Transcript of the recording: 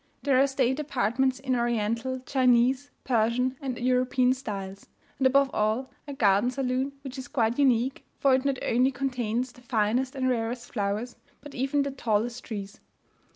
There are state apartments in Oriental, Chinese, Persian, and European styles; and, above all, a garden saloon, which is quite unique, for it not only contains the finest and rarest flowers but even the tallest trees.